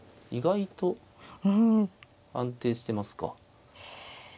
意外と安定してますか。